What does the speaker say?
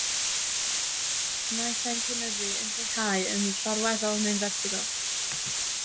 Mae cyfeiriad llinell naill ai'n cynyddu, yn lleihau, yn llorweddol neu'n fertigol.